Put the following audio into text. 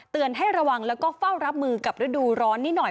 ให้ระวังแล้วก็เฝ้ารับมือกับฤดูร้อนนิดหน่อย